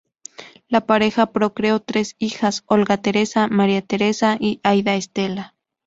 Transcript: La pareja procreó tres hijas: Olga Teresa, María Teresa y Aída Estela.